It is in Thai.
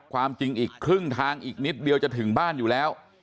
ความจริงอีกครึ่งทางอีกนิดเดียวจะถึงบ้านอยู่แล้ว